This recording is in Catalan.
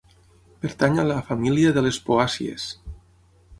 Pertany a la família de les poàcies.